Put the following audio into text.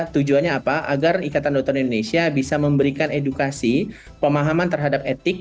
tujuannya apa agar ikatan dokter indonesia bisa memberikan edukasi pemahaman terhadap etik